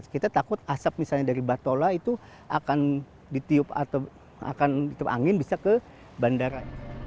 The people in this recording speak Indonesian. kita takut asap misalnya dari batola itu akan ditiup atau akan terangin bisa ke bandara